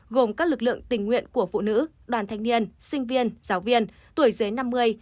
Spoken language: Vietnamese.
gồm các lực lượng tình nguyện của phụ nữ đoàn thanh niên sinh viên giáo viên tuổi dưới năm mươi